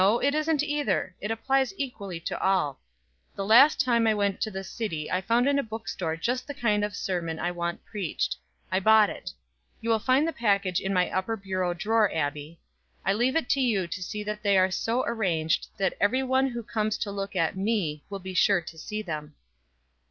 No it isn't either; it applies equally to all. The last time I went to the city I found in a bookstore just the kind of sermon I want preached. I bought it. You will find the package in my upper bureau drawer, Abbie. I leave it to you to see that they are so arranged that every one who comes to look at me will be sure to see them."